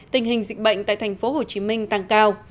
tình hình dịch bệnh tại tp hcm tăng cao